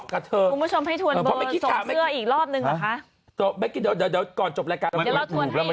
คุณผู้ชมให้ทวนเบอร์ส่งเสื้ออีกรอบนึงหรอคะ